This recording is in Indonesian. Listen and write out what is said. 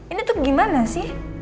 ini tuh gimana sih